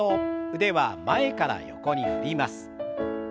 腕は前から横に振ります。